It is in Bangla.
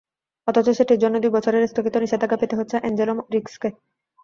অথচ সেটির জন্যই দুই বছরের স্থগিত নিষেধাজ্ঞা পেতে হচ্ছে অ্যাঞ্জেলা রিকসকে।